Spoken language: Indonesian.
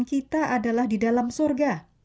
kita adalah di dalam surga